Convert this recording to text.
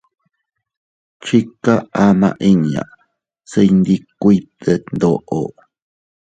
Chika ama inña se iyndikuiy detndoʼo.